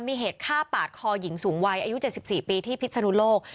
มีเหตุฆ่าปาดคอหญิงสูงวัยอายุ๗๔ปีที่พิศนุโลก